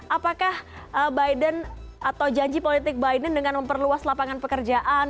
apakah biden atau janji politik biden dengan memperluas lapangan pekerjaan